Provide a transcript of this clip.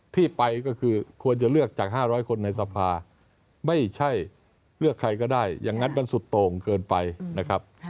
ที่ไปก็คือควรจะเลือกจาก๕๐๐คนในสภาไม่ใช่เลือกใครก็ได้อย่างนั้นมันสุดโต่งเกินไปนะครับ